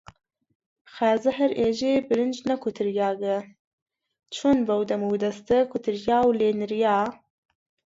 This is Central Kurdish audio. خازە هەر ئێژێ برنج نەکوتریاگە، چۆن بەو دەمودەستە کوتریا و لێ نریا؟